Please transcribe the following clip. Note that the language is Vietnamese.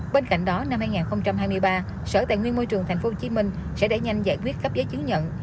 bên cạnh đó năm hai nghìn hai mươi ba sở tài nguyên môi trường tp hcm sẽ đẩy nhanh giải quyết cấp giấy chứng nhận